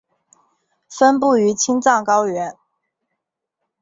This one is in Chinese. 分布于青藏高原。